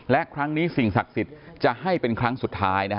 และครั้งนี้สิ่งศักดิ์สิทธิ์จะให้เป็นครั้งสุดท้าย